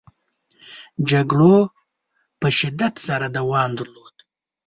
جګړو په شدت سره دوام درلوده.